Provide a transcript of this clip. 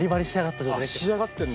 仕上がってんだ。